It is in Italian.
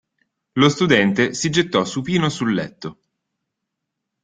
Lo studente si gettò supino sul letto.